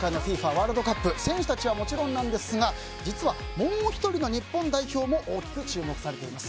ワールドカップ選手たちはもちろんなんですが実は、もう１人の日本代表も大きく注目されています。